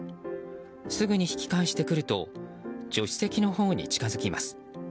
すぐに引き返してくると助手席のほうに近づきます。